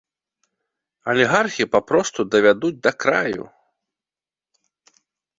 Алігархі папросту давядуць да краю.